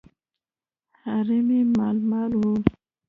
حرم یې مالامال وو.